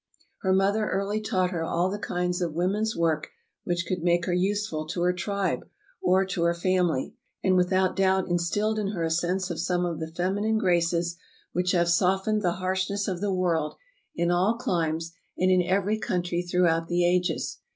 Her mother early taught her all the kinds of women's work which could make her useful to her tribe or to her family, and without doubt instilled in her a sense of some of the feminine graces which have softened 374 True Tales of Arctic Heroism the harshness of the world in all chmes and in every country throughout the ages.